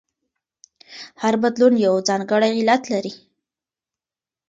هر بدلون یو ځانګړی علت لري.